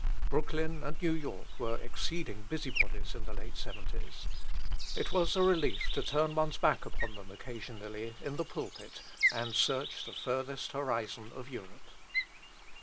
Brooklyn and New York were exceeding busy bodies in the late 'seventies. It was a relief to turn one's back upon them occasionally, in the pulpit, and search the furthest horizon of Europe.